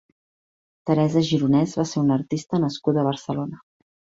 Teresa Gironès va ser una artista nascuda a Barcelona.